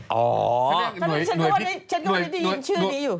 ฉันก็ฉันก็ไม่ได้ยินชื่อนี้อยู่